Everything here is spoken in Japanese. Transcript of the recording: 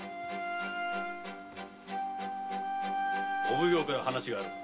お奉行からお話がある。